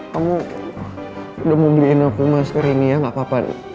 kamu udah mau beliin aku masker ini ya nggak apa apa